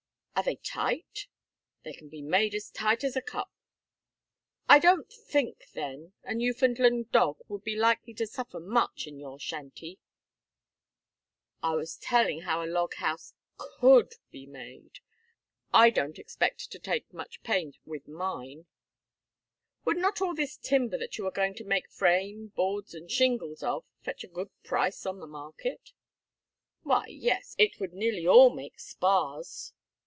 "Are they tight?" "They can be made as tight as a cup." "I don't think, then, a Newfoundland dog would be likely to suffer much in your shanty." "I was telling how a log house could be made. I don't expect to take much pains with mine." "Would not all this timber that you are going to make frame, boards, and shingles of, fetch a good price in the market?" "Why, yes, it would nearly all make spars."